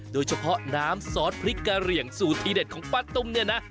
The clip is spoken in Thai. โดยเฉพาะน้ำซอสพริกกะเหลี่ยงสูตรที่เด็ดของป้าตุ้มเนี่ยนะ